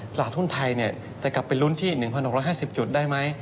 ตลาดทุนไทยจะกลับไปลุ้นที่๑๖๕๐จุดได้ไหม